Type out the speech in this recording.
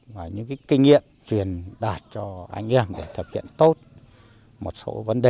và những kinh nghiệm truyền đạt cho anh em để thực hiện tốt một số vấn đề